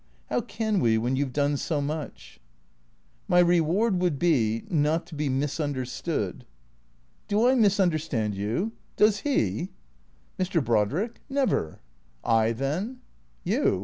How can we, when you 've done so much ?" "My reward would be — not to be misunderstood." "Do I misunderstand you? Does he?" "Mr. Brodrick? Never." "I, then?" THE CREATORS 417 " You